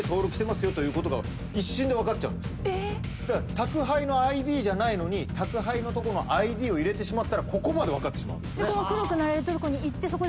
宅配のＩＤじゃないのに宅配のＩＤを入れてしまったらここまで分かってしまう。